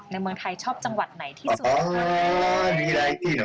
ในเมืองไทยชอบจังหวัดไหนที่สุด